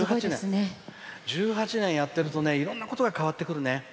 １８年やってるとねいろんなことが変わってくるね。